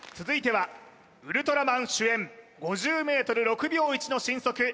続いては「ウルトラマン」主演５０ｍ６秒１の神速